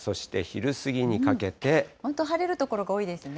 本当、晴れる所が多いですね。